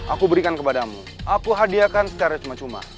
aku berikan kepadamu aku hadiahkan secara cuma cuma